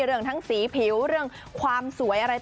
เรื่องทั้งสีผิวเรื่องความสวยอะไร